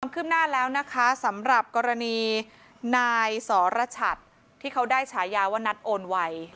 ขึ้นหน้าแล้วนะคะสำหรับกรณีนายสรชัดที่เขาได้ฉายาว่านัดโอนไว